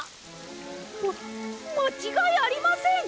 ままちがいありません。